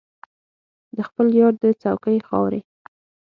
د خپل یار د کوڅې خاورې.